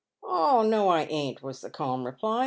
" Oh, no, I ain't!" was the calm reply.